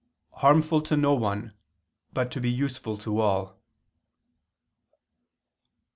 harmful "to no one, but to be useful to all."